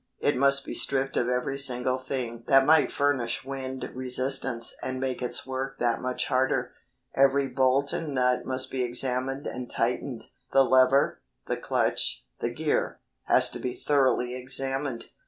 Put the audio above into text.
It must be stripped of every single thing that might furnish wind resistance and make its work that much harder. Every bolt and nut must be examined and tightened. The lever, the clutch, the gear, has to be thoroughly examined.